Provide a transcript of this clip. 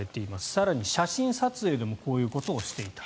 更に写真撮影でもこういうことをしていた。